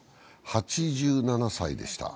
８７歳でした。